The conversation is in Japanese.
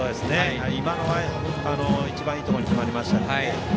今のは一番いいところに決まりましたね。